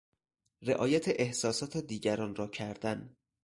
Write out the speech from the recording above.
رعایت احساسات دیگران را کردن